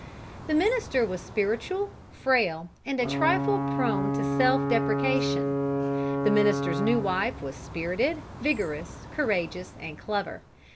The minister was spiritual, frail, and a trifle prone to self depreciation; the minister's new wife was spirited, vigorous, courageous, and clever.